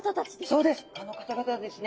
そうです！